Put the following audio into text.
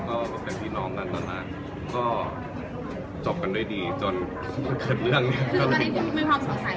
ก็เกิดพี่น้องกันตอนล่างก็จบกันด้วยดีจนเคยเกิดเเรื่องยังไง